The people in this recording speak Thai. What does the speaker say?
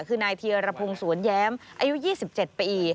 คือนายเทียรพงศ์สวนแย้มอายุ๒๗ปี